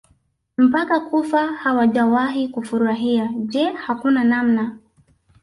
mpaka kufa hawajawahi kufurahia Je hakuna namna